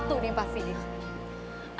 gitu gue mau kasih disini